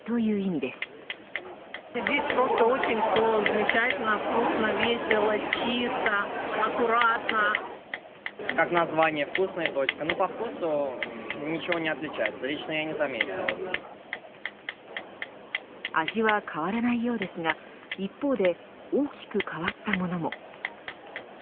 味は変わらないようですが一方で大きく変わったものも。